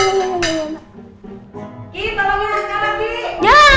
kiki tolongin askar lagi